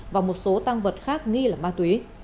và một số tăng vật khác nghi là ma túy